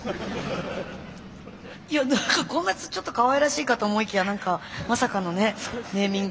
いや何かこんなちょっとかわいらしいかと思いきや何かまさかのねネーミングで。